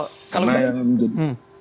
bukan bukan karena yang menjadi